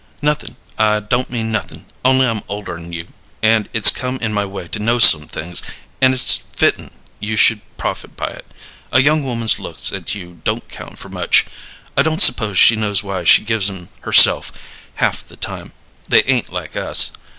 "Nothin'. I don't mean nothin', only I'm older'n you, and it's come in my way to know some things, and it's fittin' you should profit by it. A young woman's looks at you don't count for much. I don't s'pose she knows why she gives 'em herself half the time; they ain't like us.